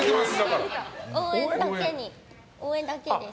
応援だけです。